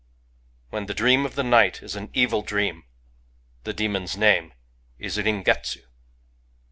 " fVhen the dream of the night is an evil dreamy the demon* s name is Ringetsu.